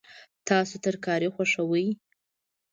تاسو ترکاري خوښوئ؟